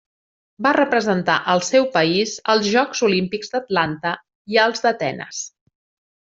Va representar el seu país als Jocs Olímpics d'Atlanta i als d'Atenes.